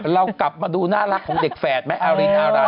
เรากลับมาดูน่ารักของเด็กแฝดไหมอารินอะไร